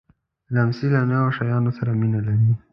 لمسی له نویو شیانو سره مینه لري.